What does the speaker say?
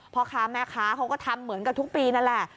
พ่อค้าแม่ค้าเขาก็ทำเหมือนกับทุกปีนั่นแหละ